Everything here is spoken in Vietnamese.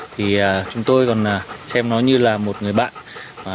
thì chúng tôi còn xem nó như là một người bạn